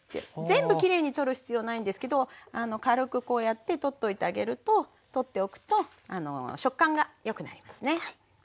全部きれいに取る必要ないんですけど軽くこうやって取っといてあげると取っておくと食感がよくなりますね。